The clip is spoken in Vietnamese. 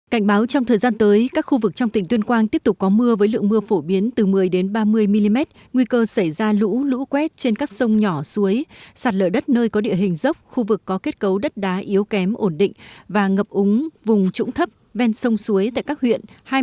cảnh báo trong thời gian tới các khu vực trong tỉnh tuyên quang tiếp tục có mưa với lượng mưa phổ biến từ một mươi ba mươi mm nguy cơ xảy ra lũ lũ quét trên các sông nhỏ suối sạt lở đất nơi có địa hình dốc khu vực có kết cấu đất đá yếu kém ổn định và ngập úng vùng trũng thấp ven sông suối tại các huyện